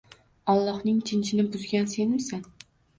Allohning tinchini buzgan senmisan